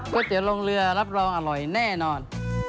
เตี๋ยวลงเรือรับรองอร่อยแน่นอน